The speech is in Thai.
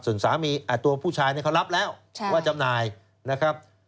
ส่วนสามีตัวผู้ชายเขารับแล้วว่าจำหน่ายนะครับ